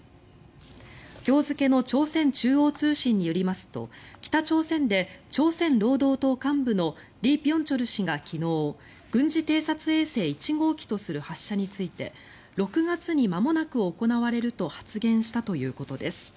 今日付の朝鮮中央通信によりますと北朝鮮で朝鮮労働党幹部のリ・ビョンチョル氏が昨日軍事偵察衛星１号機とする発射について６月にまもなく行われると発言したということです。